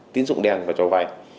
tín dụng đen và cho vay